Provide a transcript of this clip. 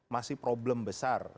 masih problem besar